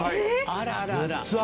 あららら。